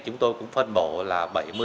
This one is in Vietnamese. chúng tôi cũng phân bộ là bảy mươi